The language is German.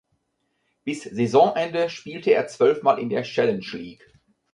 Bis Saisonende spielte er zwölfmal in der Challenge League.